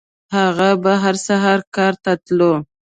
هغه به هر سهار کار ته تلو.